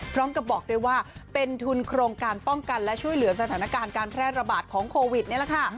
บอกด้วยว่าเป็นทุนโครงการป้องกันและช่วยเหลือสถานการณ์การแพร่ระบาดของโควิดนี่แหละค่ะ